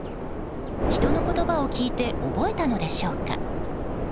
人の言葉を聞いて覚えたのでしょうか。